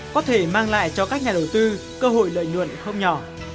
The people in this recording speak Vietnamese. có thể mang lại cho các nhà đầu tư cơ hội lợi nhuận không nhỏ